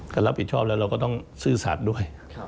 ก็รับผิดชอบแล้วเราก็ต้องซื่อสัตว์ด้วย